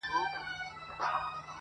جهاني د هغي شپې وېش دي را پرېښود؛